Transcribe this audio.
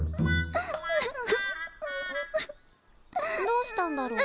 どうしたんだろ？